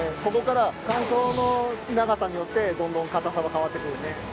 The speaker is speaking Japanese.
ここから乾燥の長さによってどんどんかたさは変わってくるね。